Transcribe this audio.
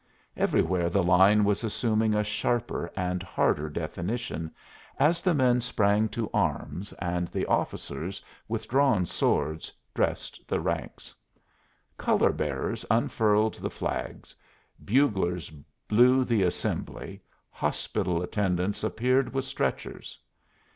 Everywhere the line was assuming a sharper and harder definition, as the men sprang to arms and the officers, with drawn swords, "dressed" the ranks. Color bearers unfurled the flags, buglers blew the "assembly," hospital attendants appeared with stretchers.